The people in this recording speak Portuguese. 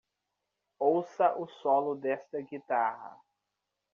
Ouça o solo desta guitarra!